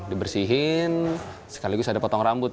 dibersihin sekaligus ada potong rambut